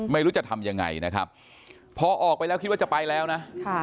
ไม่รู้จะทำยังไงนะครับพอออกไปแล้วคิดว่าจะไปแล้วนะ